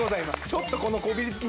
ちょっとこのこびりつき